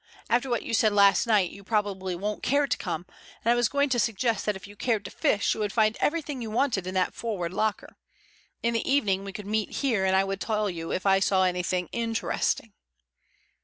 After what you said last night you probably won't care to come, and I was going to suggest that if you cared to fish you would find everything you wanted in that forward locker. In the evening we could meet here and I would tell you if I saw anything interesting."